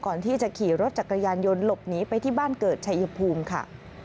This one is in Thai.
ก่อนที่จะขี่รถจักรยานยนต์หลบหนีไปที่บ้านเกิดชัยภูมิค่ะ